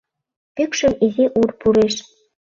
Пӱкшым изи ур пуреш